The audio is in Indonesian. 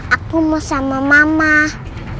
aku mau sama mahh